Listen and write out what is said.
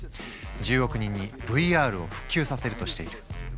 １０億人にＶＲを普及させるとしている。